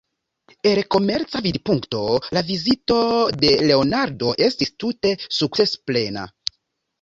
El komerca vidpunkto la vizito de Leonardo estis tute sukcesplena.